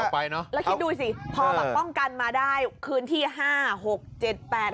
แล้วคิดดูสิพอแบบป้องกันมาได้คืนที่ห้าหกเจ็ดแปด